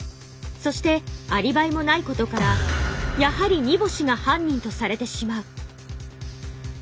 そしてアリバイもないことからやはり荷星が犯人とされてしまう。